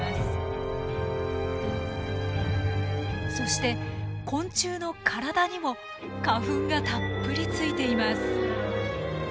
そして昆虫の体にも花粉がたっぷりついています。